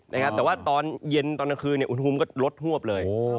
แต่ว่าตอนเย็นตอนกลางคืนอุณหภูมิก็ลดหวบเลย